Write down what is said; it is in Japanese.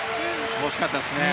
惜しかったですね。